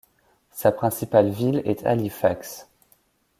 Sa principale ville est Halifax.